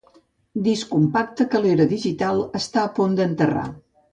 Disc compacte que l'era digital està a punt d'enterrar.